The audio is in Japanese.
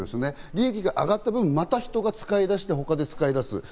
利益が上がった分、また人が使い出して、他で使いだす。